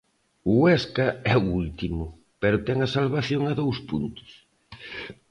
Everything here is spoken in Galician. O Huesca é o último, pero ten a salvación a dous puntos.